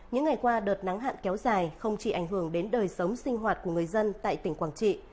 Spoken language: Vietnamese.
những ngày qua đợt nắng hạn kéo dài không chỉ ảnh hưởng đến đời sống sinh hoạt của người dân tại tỉnh quảng trị